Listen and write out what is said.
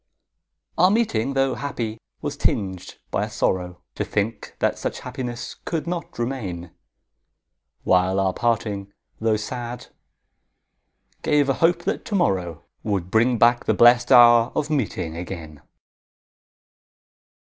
Our meeting, tho' happy, was tinged by a sorrow To think that such happiness could not remain; While our parting, tho' sad, gave a hope that to morrow Would bring back the blest hour of meeting again.